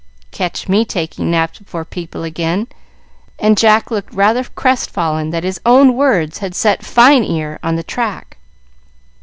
"Catch me taking naps before people again;" and Jack looked rather crestfallen that his own words had set "Fine Ear" on the track.